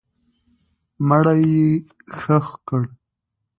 مړی یې ښخ کړه.